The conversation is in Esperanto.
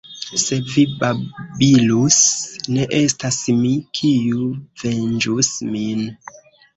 Se vi babilus, ne estas mi, kiu venĝus min.